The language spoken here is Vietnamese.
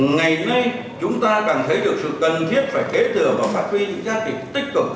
ngày nay chúng ta cảm thấy được sự cần thiết phải kế thừa và phát triển giá trị tích cực